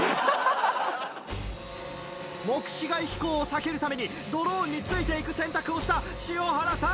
目視外飛行を避けるためにドローンについて行く選択をした塩原さん。